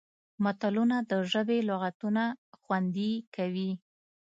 متلونه د ژبې لغتونه خوندي کوي